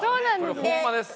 これホンマです。